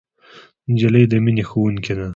نجلۍ د مینې ښوونکې ده.